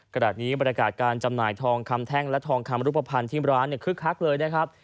กระดาษนี้บรรยากาศการจำหน่ายทองคำแท่งและทองคำรูปประพันธ์ที่ร้านเนี่ยคือคลักเลยนะครับ